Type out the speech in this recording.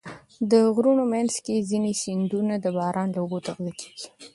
د غرونو منځ کې ځینې سیندونه د باران له اوبو تغذیه کېږي.